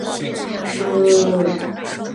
长齿柄鳞鲷为光腹鲷科柄鳞鲷属的鱼类。